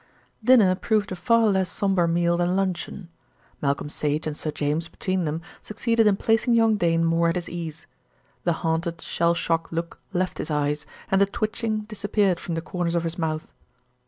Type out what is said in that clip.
Dinner proved a far less sombre meal than luncheon. Malcolm Sage and Sir James between them succeeded in placing young Dane more at his ease. The haunted, shell shock look left his eyes, and the twitching disappeared from the corners of his mouth.